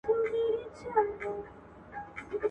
هغه کس چې مقاومت کوي، نوم ګټي.